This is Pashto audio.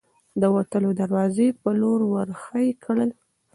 د وتلو دروازې په لور ور هۍ کړل.